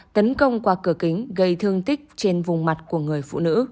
tấn công qua cửa kính gây thương tích trên vùng mặt của người phụ nữ